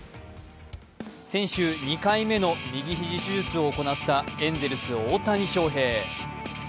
先週、２回目の右肘手術を行ったエンゼルス・大谷翔平。